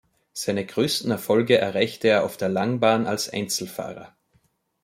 Seine größten Erfolge erreichte er auf der Langbahn als Einzelfahrer.